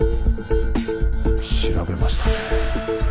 調べましたね。